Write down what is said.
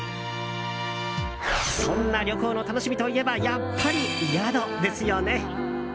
そんな旅行の楽しみといえばやっぱり、宿ですよね。